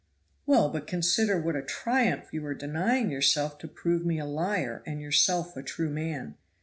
"Well, but consider what a triumph you are denying yourself to prove me a liar and yourself a true man.